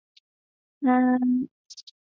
他也担任过英国农业大臣。